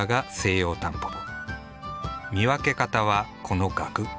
見分け方はこのがく。